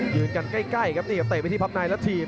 ยืนกันใกล้ครับนี่ครับเตะไปที่พับในแล้วถีบ